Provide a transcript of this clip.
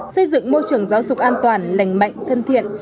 xây dựng môi trường giáo dục an toàn lành mạnh thân thiện